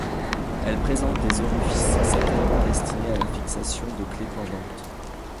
Elles présentent des orifices certainement destinées à la fixation de clés pendantes.